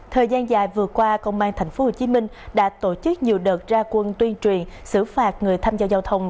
thời gian dài vừa qua công an tp hcm đã tổ chức nhiều đợt ra quân tuyên truyền xử phạt người tham gia giao thông